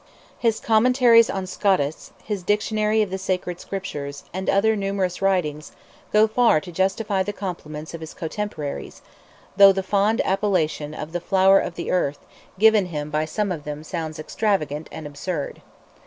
His Commentaries on Scotus, his Dictionary of the Sacred Scriptures, and other numerous writings, go far to justify the compliments of his cotemporaries, though the fond appellation of the "flower of the earth" given him by some of them sounds extravagant and absurd.